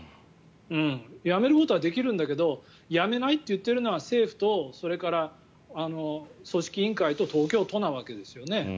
やめることはできるんだけどやめないと言っているのは政府と、それから組織委員会と東京都のわけですよね。